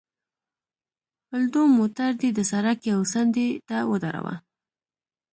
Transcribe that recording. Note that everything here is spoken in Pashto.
الدو، موټر دې د سړک یوې څنډې ته ودروه.